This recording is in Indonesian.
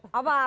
saya gak tau